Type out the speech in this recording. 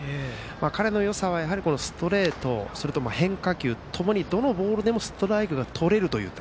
彼のよさはストレートそれと変化球ともにどのボールでもストライクがとれるという。